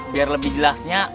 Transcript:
biar lebih jelasnya